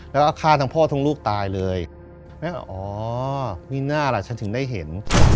แล้วก็ฆ่าทั้งพ่อทั้งลูกตายเลยแม่ก็อ๋อมีหน้าล่ะฉันถึงได้เห็น